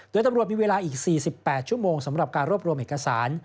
โดยตำรวจมีเวลาอีก๔๘ชั่วโมงสำหรับการรวบรวมเอกสาร